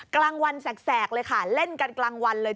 กลางวันแสกเลยค่ะเล่นกันกลางวันเลย